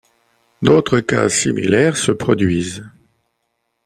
D'autres cas similaires se produisent.